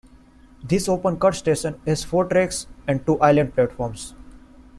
This open cut station has four tracks and two island platforms.